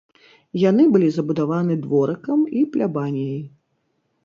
Яны былі забудаваны дворыкам і плябаніяй.